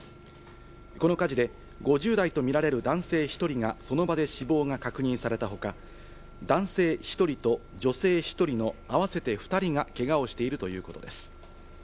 この火事で５０代とみられる男性１人がその場で死亡が確認されたほか、男性１人と女性１人の合わせて２人がけがをしているということです。